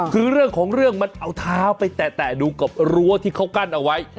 คือเรื่องของเรื่องมันเอาเท้าไปแตะดูกับรั้วที่เขากั้นเอาไว้